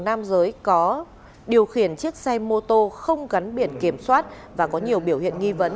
nam giới có điều khiển chiếc xe mô tô không gắn biển kiểm soát và có nhiều biểu hiện nghi vấn